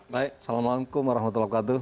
baik salamualaikum warahmatullahi wabarakatuh